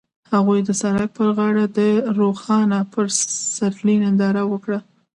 هغوی د سړک پر غاړه د روښانه پسرلی ننداره وکړه.